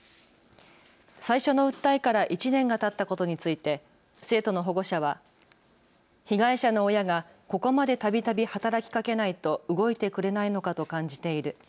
最初の訴えから１年がたったことについて生徒の保護者は被害者の親がここまでたびたび働きかけないと動いてくれないのかと感じている。